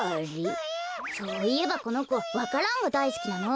そういえばこのこわか蘭がだいすきなの。